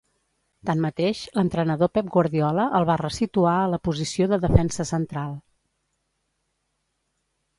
Tanmateix, l'entrenador Pep Guardiola el va ressituar a la posició de defensa central.